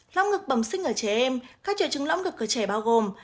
lõng ngực bẩm sinh ở trẻ em các triệu chứng lõng ngực của trẻ bao gồm